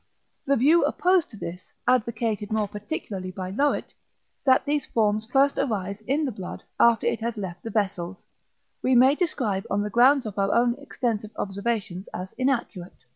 The view opposed to this, advocated more particularly by Löwit, that these forms first arise in the blood after it has left the vessels, we may describe on the grounds of our own extensive observations as inaccurate.